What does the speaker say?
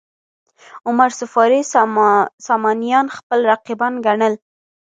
عمر صفاري سامانیان خپل رقیبان ګڼل.